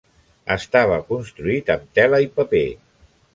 Estava construït amb tela i paper.